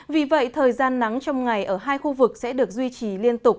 vì vậy thời gian nắng trong ngày ở hai khu vực sẽ được duy trì liên tục